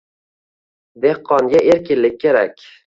Dehqonga erkinlik kerak.